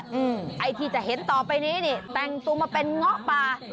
ไอ้ที่จะเห็นต่อไปนี้นี่แต่งตัวมาเป็นเงาะป่า